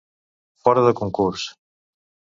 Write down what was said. Fora de concurs.